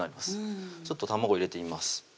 うんちょっと卵入れてみます